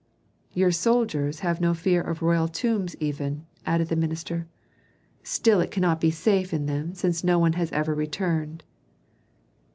"Your soldiers have no fear of royal tombs even," added the minister. "Still it cannot be safe in them since no one has ever returned."